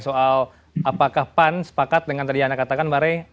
soal apakah pan sepakat dengan tadi yang anda katakan mbak rey